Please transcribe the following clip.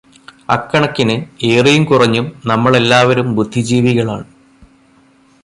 അക്കണക്കിന്, ഏറിയും കുറഞ്ഞും, നമ്മളെല്ലാവരും ബുദ്ധിജീവികളാണ്.